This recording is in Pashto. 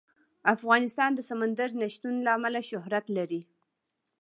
افغانستان د سمندر نه شتون له امله شهرت لري.